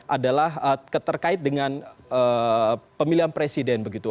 adalah terkait dengan pemilihan presiden begitu